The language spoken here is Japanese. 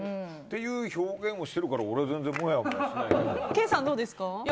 という表現をしてるから俺は全然もやもやしない。